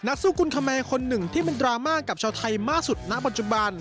สู้กุลคแมคนหนึ่งที่เป็นดราม่ากับชาวไทยมากสุดณปัจจุบัน